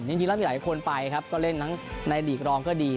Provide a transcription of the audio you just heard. จริงแล้วมีหลายคนไปครับก็เล่นทั้งในหลีกรองก็ดี